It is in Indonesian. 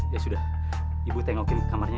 ya sudah ibu tengokin kamarnya